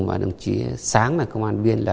và đồng chí sáng là công an viên